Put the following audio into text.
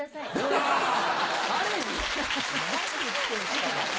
誰に？